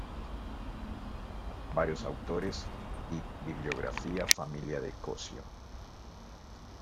Varios autores y "Bibliografía Familia de Cossío".